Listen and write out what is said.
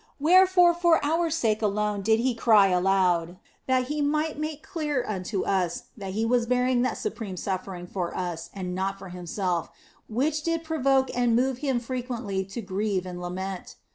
Where fore for our sake alone did He cry aloud, that He might make it clear unto us that He was bearing that supreme suffering for us and not for Himself, which did provoke and move Him frequently to grieve and lament.